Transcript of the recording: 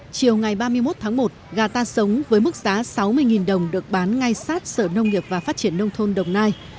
chiều ngày ba mươi một tháng một gà ta sống với mức giá sáu mươi đồng được bán ngay sát sở nông nghiệp và phát triển nông thôn đồng nai